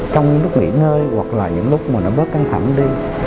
trong những lúc nghỉ nơi hoặc là những lúc mà nó bớt căng thẳng đi